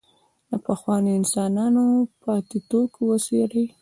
له پخوانیو انسانانو پاتې توکي وڅېړي.